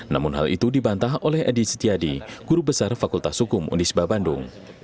namun hal itu dibantah oleh edi setiadi guru besar fakultas hukum unisba bandung